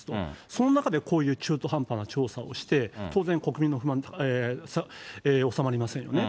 その中でこういう中途半端な調査をして、当然国民の不満、収まりませんよね。